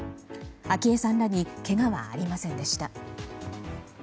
昭恵さんらにけがはありませんでした。